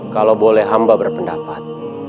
kalau boleh hamba berpendapat